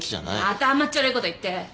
また甘っちょろいこと言って！